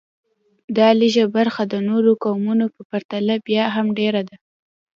دا لږه برخه د نورو قومونو په پرتله بیا هم ډېره ده